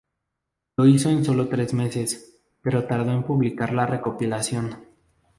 Lo hizo en sólo tres meses, pero tardó en publicar la recopilación.